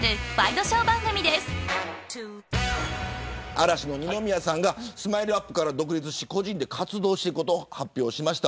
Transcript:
嵐の二宮さんがＳＭＩＬＥ−ＵＰ．から独立し個人で活動していくことを発表しました。